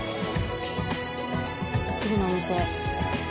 次のお店。